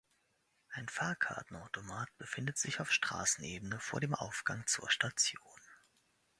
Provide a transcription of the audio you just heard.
Ein Fahrkartenautomat befindet sich auf Straßenebene vor dem Aufgang zur Station.